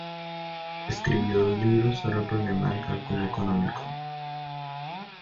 Escribió dos libros sobre el problema del cálculo económico.